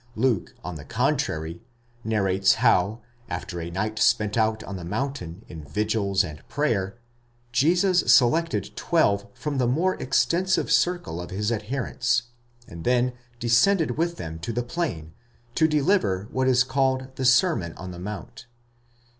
Luke, on the con trary, narrates how, after a night spent on the mountain in vigils and prayer, Jesus selected twelve from the more extensive circle of his adherents, and then descended with them to the plain, to deliver what is called the Sermon on the Mount (vi.